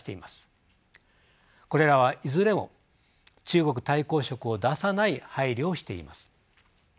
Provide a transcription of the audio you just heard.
これらはいずれも中国対抗色を出さない配慮をしています。